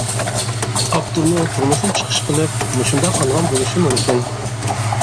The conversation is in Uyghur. ئاپتورمۇ تۇرمۇشنى چىقىش قىلىپ مۇشۇنداق ئالغان بولۇشى مۇمكىن.